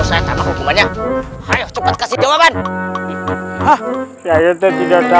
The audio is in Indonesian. saya tak mau kemana ayo cepat kasih jawaban